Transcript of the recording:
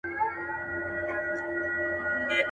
لا په زړه كي مي هغه نشه تازه ده.